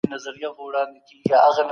څنګه کولای سو چي پرمختللی هېواد ولرو؟